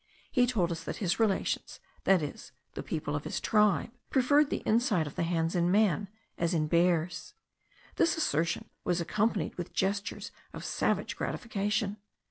He told us that his relations (that is, the people of his tribe) preferred the inside of the hands in man, as in bears. This assertion was accompanied with gestures of savage gratification.